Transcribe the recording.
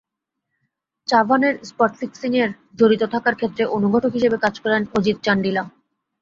চাভানের spot ফিক্সিংয়ে জড়িত থাকার ক্ষেত্রে অনুঘটক হিসেবে কাজ করেন অজিত চান্ডিলা।